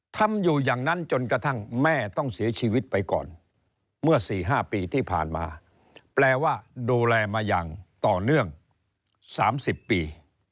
ทำอยู่อย่างนั้นจนกระทั่งแม่ต้องเสียชีวิตไปก่อนเมื่อ๔๕ปีที่ผ่านมาแปลว่าดูแลมาอย่างต่อเนื่อง๓๐ปี